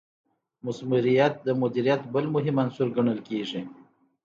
مثمریت د مدیریت بل مهم عنصر ګڼل کیږي.